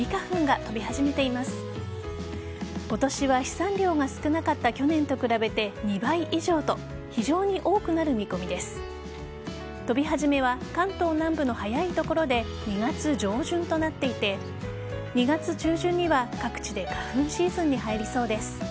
飛び始めは関東南部の早い所で２月上旬となっていて２月中旬には各地で花粉シーズンに入りそうです。